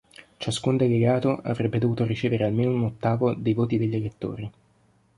Ciascun delegato avrebbe dovuto ricevere almeno un ottavo dei voti degli elettori.